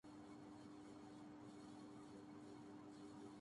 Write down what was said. film میں کام کیلئے پریانکا کی ایک ہزار منتیں